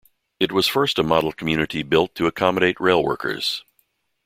It was first a model community built to accommodate rail workers.